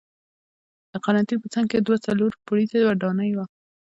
د قرنتین په څنګ کې دوه څلور پوړیزه ودانۍ وې.